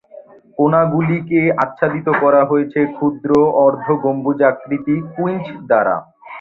কোণাগুলিকে আচ্ছাদিত করা হয়েছে ক্ষুদ্র অর্ধ-গম্বুজাকৃতি স্কুইঞ্চ দ্বারা।